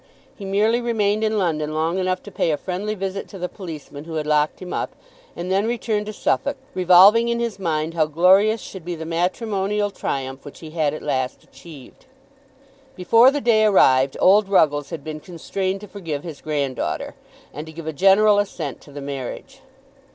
He merely remained in London long enough to pay a friendly visit to the policeman who had locked him up, and then returned to Suffolk, revolving in his mind how glorious should be the matrimonial triumph which he had at last achieved. Before the day arrived, old Ruggles had been constrained to forgive his granddaughter, and to give a general assent to the marriage.